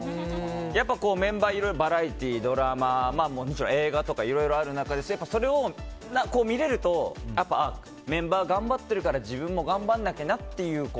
やっぱ、メンバーいろいろバラエティー、ドラマ映画とかいろいろある中でそれを見れるとメンバー頑張ってるから自分も頑張んなきゃなって。